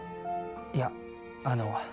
いやあの。